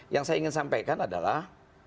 yang saya ingin sampaikan adalah